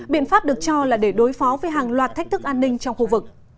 biện pháp được cho là để đối phó với hàng loạt thách thức an ninh trong khu vực